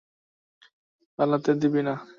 পালাতে দিবি না!